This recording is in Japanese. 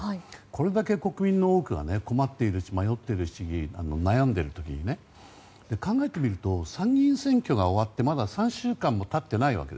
これだけ国民の多くが困っているし、迷っているし悩んでいる時に考えてみると参議院選挙が終わってまだ３週間も経っていない。